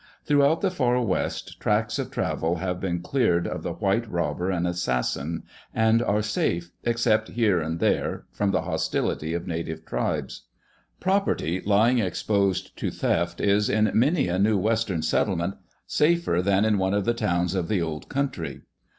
Throughout the Ear West tracks of travel have been cleared of the white robber and assassin, and are safe except here and there from the hostility of native tribes. Property lying ex posed to theft is, in many a new Western settlement, safer than in one of the towns of the old country.